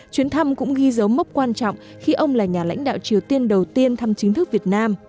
chuyến thăm cũng ghi dấu mốc quan trọng khi ông là nhà lãnh đạo triều tiên đầu tiên thăm chính thức việt nam